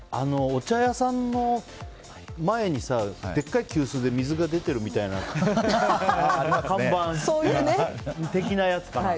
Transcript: お茶屋さんの前にでっかい急須で水が出てるみたいな看板的なやつかな。